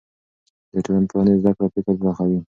د ټولنپوهنې زده کړه فکر پراخوي.